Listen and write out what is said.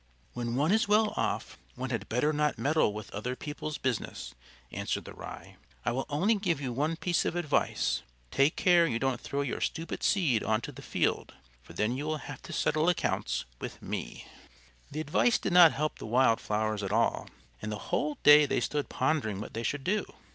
"When one is well off, one had better not meddle with other people's business," answered the Rye. "I will only give you one piece of advice: take care you don't throw your stupid seed on to the field, for then you will have to settle accounts with me." This advice did not help the wild flowers at all, and the whole day they stood pondering what they should do.